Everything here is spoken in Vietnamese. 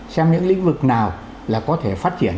xem những lĩnh vực nào là có thể phát triển